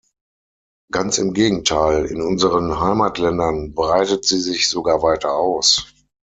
Ganz im Gegenteil, in unseren Heimatländern breitet sie sich sogar weiter aus.